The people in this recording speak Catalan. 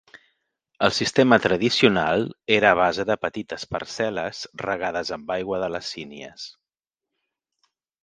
El sistema tradicional era a base de petites parcel·les regades amb aigua de les sínies.